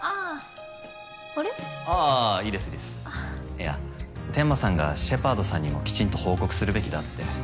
いや天間さんがシェパードさんにもきちんと報告するべきだって。